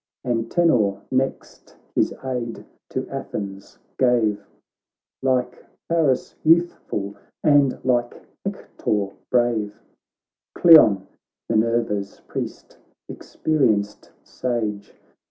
Antenor next his aid to Athens gave, Like Paris youthful, and like Hector brave ; Cleon, Minerva's priest, experienced sage.